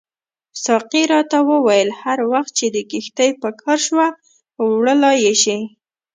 ساقي راته وویل هر وخت چې دې کښتۍ په کار شوه وړلای یې شې.